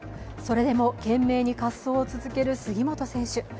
それでも懸命に滑走を続ける杉本選手。